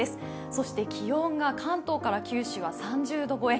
そして気温が関東から九州は３０度超え